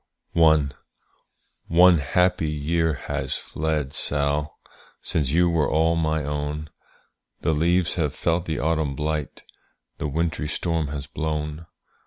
One happy year has fled, Sall, Since you were all my own, The leaves have felt the autumn blight, The wintry storm has blown.